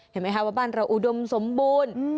เห็นไหมคะว่าบ้านเราอุดมสมบูรณ์